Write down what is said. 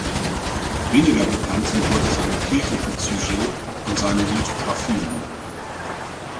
Weniger bekannt sind heute seine kirchlichen Sujets und seine Lithografien.